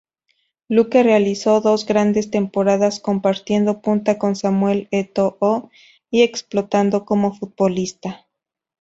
Luque realizó dos grandes temporadas, compartiendo punta con Samuel Eto'o y explotando como futbolista.